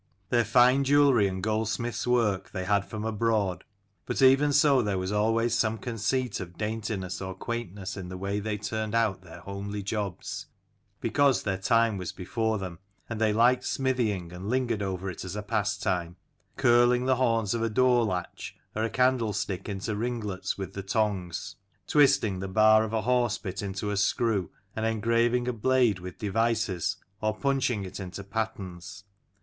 Their fine jewellery and goldsmith's work they had from abroad : but even so there was always some conceit of daintiness or quaintness in the way they turned out their homely jobs, because their time was before them, and they liked smithying, and lingered over it as a pastime : curling the horns of a door latch or a candle stick into ringlets with the tongs : twisting the bar of a horse bit into a screw, and engraving a blade with devices or punching it into patterns.